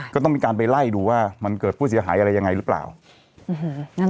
ก็ต้องมีการไปไล่ดูว่ามันเกิดผู้เสียหายอะไรยังไงหรือเปล่า